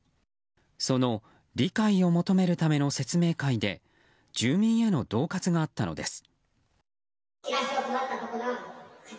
その理解を求めるための説明会で住民への恫喝があったのです。